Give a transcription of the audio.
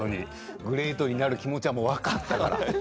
グレートになる気持ちは分かったから。